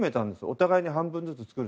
お互いに半分ずつ。